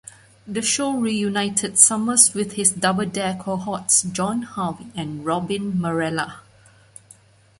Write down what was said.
The show reunited Summers with his "Double Dare" cohorts John Harvey and Robin Marrella.